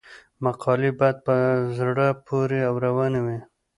مقالې باید په زړه پورې او روانې وي.